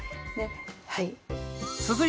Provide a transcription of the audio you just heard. はい。